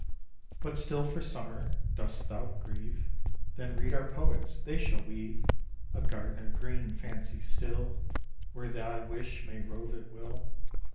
But still for Summer dost thou grieve? Then read our Poets they shall weave A garden of green fancies still, Where thy wish may rove at will.